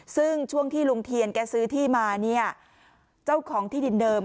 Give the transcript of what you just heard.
ซึ่งช่วงที่ลุงเทียนแกซื้อที่มาเนี่ยเจ้าของที่ดินเดิม